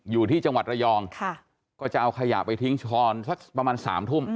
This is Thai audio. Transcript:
อยู่ที่จังหวัดระยองก็จะเอาขยะไปทิ้งตอนสักประมาณ๓ทุ่ม